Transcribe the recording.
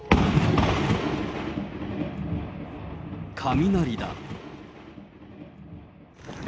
雷だ。